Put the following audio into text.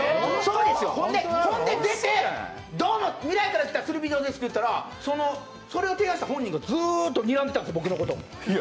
ほんで出て、どうも未来から来た釣り人ですと言ったらそれを提案した本人がずっとにらんでたんです、僕のこと。